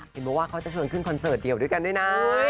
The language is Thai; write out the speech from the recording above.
บอกว่าเขาจะชวนขึ้นคอนเสิร์ตเดียวด้วยกันด้วยนะ